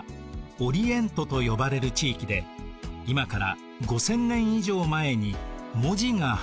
オリエントと呼ばれる地域で今から５０００年以上前に文字が発明されました。